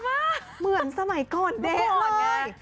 เหมือนสมัยก่อนเด้อเลย